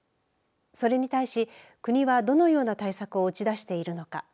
それに対し国はどのような対策を打ち出しているのか。